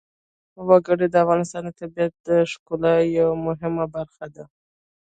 وګړي د افغانستان د طبیعت د ښکلا یوه مهمه برخه ده.